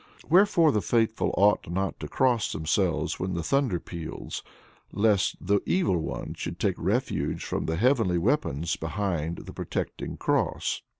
Wherefore the faithful ought not to cross themselves when the thunder peals, lest the evil one should take refuge from the heavenly weapons behind the protecting cross.